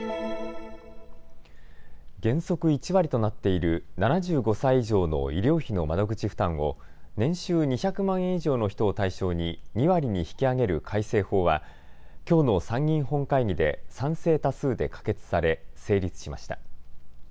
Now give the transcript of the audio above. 原則１割となっている７５歳以上の医療費の窓口負担を年収２００万円以上の人を対象に２割に引き上げる改正法はきょうの参議院本会議で賛成多数で可決され、成立しました。